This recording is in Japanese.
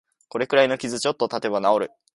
これくらいの傷、ちょっとたてば治る